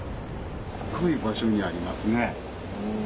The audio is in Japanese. すごい場所にありますね。